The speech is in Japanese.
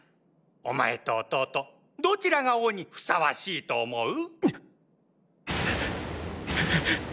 お前と弟どちらが王に相応しいと思う？！